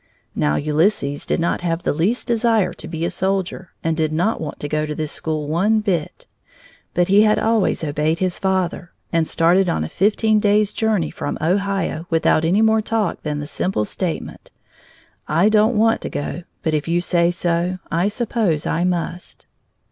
Now Ulysses did not have the least desire to be a soldier and did not want to go to this school one bit, but he had always obeyed his father, and started on a fifteen days' journey from Ohio without any more talk than the simple statement: "I don't want to go, but if you say so, I suppose I must."